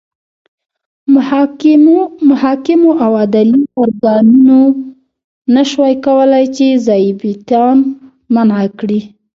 محاکمو او عدلي ارګانونو نه شوای کولای چې ظابیطان منع کړي.